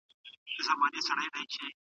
زامنو یې سپارلی رقیبانو ته بورجل دی